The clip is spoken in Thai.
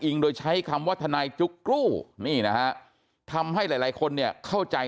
โดยใช้คำว่าทนายจุ๊กกรูนี่นะฮะทำให้หลายหลายคนเนี่ยเข้าใจ